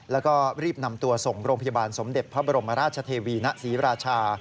แล้วก็รีบนำตัวส่งโรงพยาบาลสมเด็จพระบรมราชเทวีณศรีราชา